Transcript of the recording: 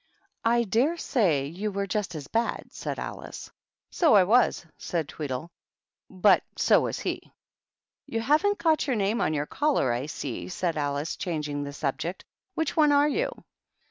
" I dare say you were just as bad/' said Alice. "So I was," said Tweedle; "but so ws he." " You haven't got your name on your colla I see," said Alice, changing the subject. " Whic one are you?"